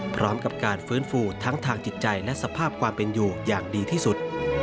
พร้อมกับการฟื้นฟูทั้งทางจิตใจและสภาพความเป็นอยู่อย่างดีที่สุด